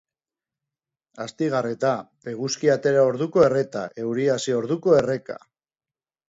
Astigarreta: eguzkia atera orduko erreta, euria hasi orduko erreka.